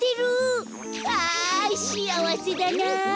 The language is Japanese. ああしあわせだな。